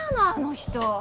あの人。